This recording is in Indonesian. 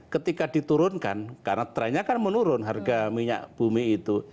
ketika diturunkan karena trennya kan menurun harga minyak bumi itu